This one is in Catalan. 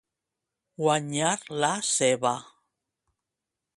Guanyar la ceba.